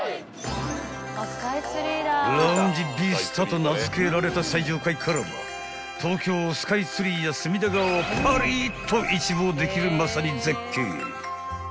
［と名付けられた最上階からは東京スカイツリーや隅田川をパリッと一望できるまさに絶景］